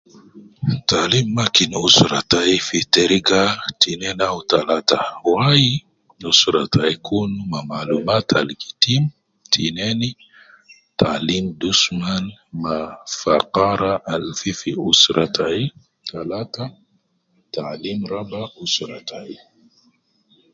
Taalim makkin usra tayi fi teriga tinein au talata. Wai usra tayi Kun ma maalumat Al gi Tim tinein taalim dusman ma fakara al fii fi usra tayi talata taalim raba usra tayi.